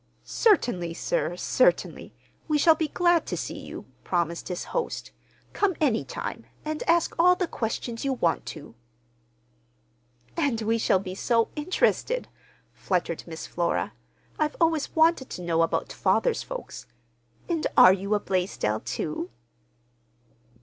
"Certainly, sir, certainly! We shall be glad to see you," promised his host. "Come any time, and ask all the questions you want to." "And we shall be so interested," fluttered Miss Flora. "I've always wanted to know about father's folks. And are you a Blaisdell, too?"